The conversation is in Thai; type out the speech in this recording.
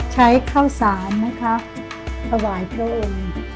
ใช้ข้าวสารนะคะถวายพระองค์